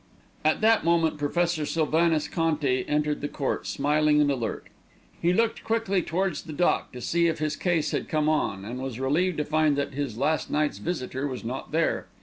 At that moment Professor Sylvanus Conti entered the court, smiling and alert. He looked quickly towards the dock to see if his case had come on, and was relieved to find that his last night's visitor was not there.